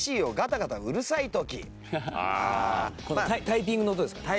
タイピングの音ですかね？